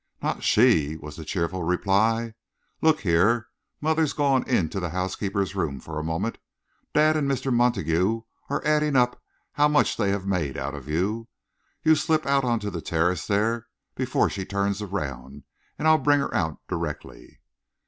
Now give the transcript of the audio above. "Not she," was the cheerful reply. "Look here, mother's gone into the housekeeper's room for a moment. Dad and Mr. Montague are adding up how much they have made out of you. You slip out on to the terrace there, before she turns around, and I'll bring her out directly."